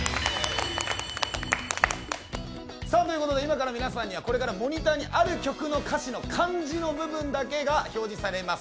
今から皆さんに、これからモニターのある曲の歌詞の漢字の部分だけが表示されます。